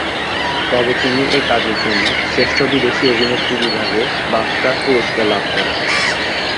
তবে তিনি এই কাজের জন্য শ্রেষ্ঠ বিদেশি অভিনেত্রী বিভাগে বাফটা পুরস্কার লাভ করেন।